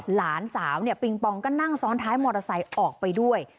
หลานสาวเนี่ยปิงปองก็นั่งซ้อนท้ายมอเตอร์ไซค์ออกไปด้วย